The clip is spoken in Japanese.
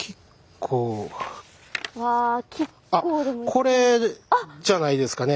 これじゃないですかね？